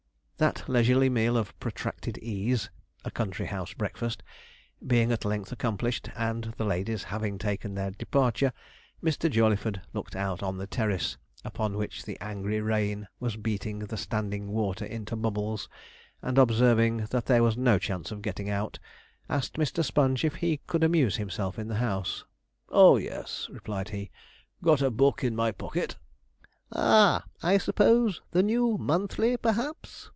That leisurely meal of protracted ease, a country house breakfast, being at length accomplished, and the ladies having taken their departure, Mr. Jawleyford looked out on the terrace, upon which the angry rain was beating the standing water into bubbles, and observing that there was no chance of getting out, asked Mr. Sponge if he could amuse himself in the house. 'Oh yes,' replied he, 'got a book in my pocket.' 'Ah, I suppose the New Monthly, perhaps?'